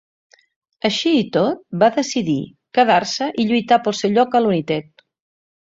Així i tot, va decidir quedar-se i lluitar pel seu lloc al United.